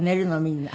みんな。